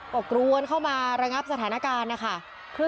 ก็กรวนเข้ามาระงับสถานการณ์นะคะ